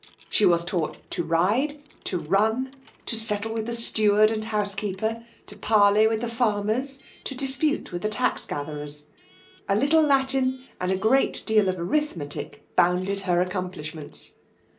She was taught to ride, to run, to settle with the steward and house Iceeper, to parley with the farmers^ to dispute with the tax gatherers. A little Latin, and a great deal of arithmetic, bounded her accom plishments.